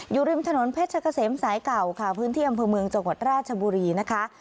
อยู่ริมถนนเพชรเกษมสายเก่าค่ะพื้นที่อำเภอเมืองจังหวัดราชบุรีนะคะ